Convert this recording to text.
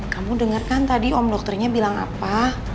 kamu denger kan tadi om dokternya bilang apa